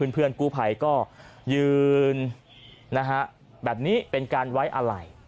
เพื่อนกู้ภัยก็ยืนแบบนี้เป็นการไว้อะไร